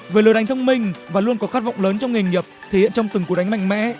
về lối đánh thông minh và luôn có khát vọng lớn trong nghề nghiệp thể hiện trong từng cuộc đánh mạnh mẽ